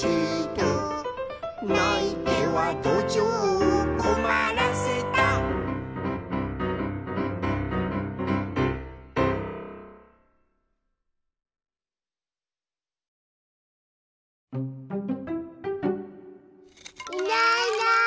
「ないてはどじょうをこまらせた」いないいない。